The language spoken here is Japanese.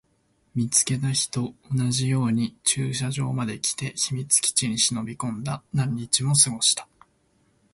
見つけた日と同じように駐車場まで来て、秘密基地に忍び込んだ。何日も過ごした。